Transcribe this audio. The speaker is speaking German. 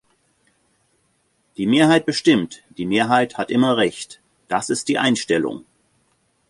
Die Mehrheit bestimmt, die Mehrheit hat immer Recht, das ist die Einstellung.